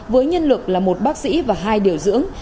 với nhân lực là một bác sĩ và hai điều dưỡng